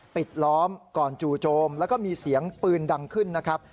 ปิดล้อมก่อนจู่โจมแล้วก็มีเสียงปืนดังขึ้นนะครับ